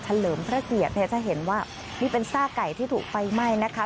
เลิมพระเกียรติเนี่ยจะเห็นว่านี่เป็นซากไก่ที่ถูกไฟไหม้นะคะ